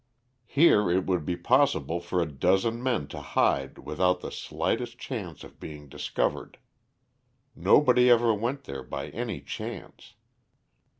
Here it would be possible for a dozen men to hide without the slightest chance of being discovered. Nobody ever went there by any chance.